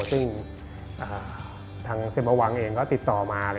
ซึ่งทางเซโปรวันเองก็ติดต่อมา